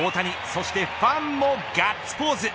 そしてファンもガッツポーズ